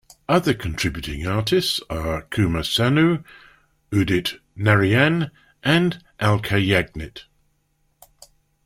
Other contributing artists are Kumar Sanu, Udit Narayan and Alka Yagnik.